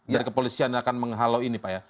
dari kepolisian yang akan menghalau ini pak ya